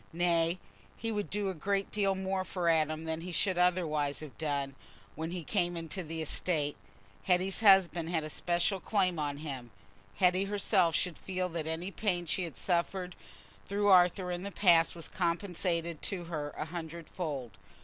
Nay, he would do a great deal more for Adam than he should otherwise have done, when he came into the estate; Hetty's husband had a special claim on him—Hetty herself should feel that any pain she had suffered through Arthur in the past was compensated to her a hundredfold.